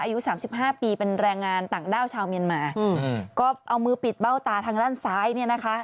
อายุสามสิบห้าปีเป็นแรงงานต่างด้าวชาวเมียนมาอืมก็เอามือปิดเบ้าตาทางด้านซ้ายเนี่ยนะคะ